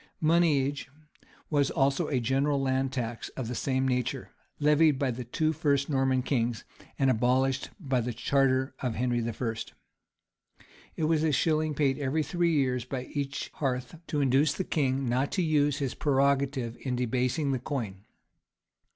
[*] Moneyage was also a general land tax of the same nature, levied by the two first Norman kings, and abolished by the charter of Henry I.[] It was a shilling paid every three years by each hearth, to induce the king not to use his prerogative in debasing the coin.